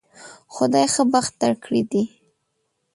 خدای ښه بخت درکړی دی